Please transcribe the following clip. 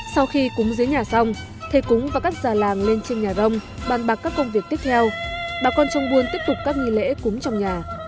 sau khi cúng dưới nhà xong thầy cúng và các già làng lên trên nhà rông bàn bạc các công việc tiếp theo bà con trong buôn tiếp tục các nghi lễ cúng trong nhà